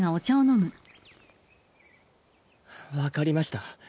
分かりました。